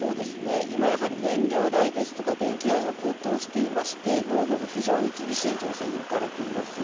今、やはり燃料代ですとか、電気代の高騰していまして、農業の非常に厳しい情勢に置かれています。